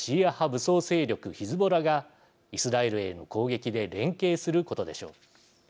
武装勢力ヒズボラがイスラエルへの攻撃で連携することでしょう。